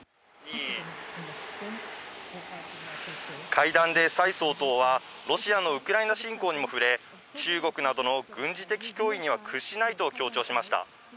会談で蔡総統は、ロシアのウクライナ侵攻にも触れ、中国などの軍事的脅威には屈しないと強調しました。